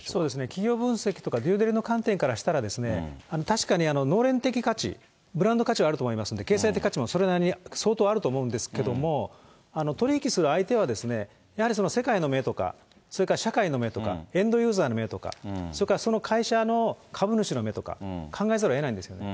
企業分析とか、デューデリの観点からしたら、確かにのれん的価値、ブランド価値はあると思いますので、価値もそれなりに相当あると思うんですけれども、取り引きする相手はやはりその世界の目とか、それから社会の目とか、エンドユーザーの目とか、それからその会社の株主の目とか、考えざるをえないんですよね。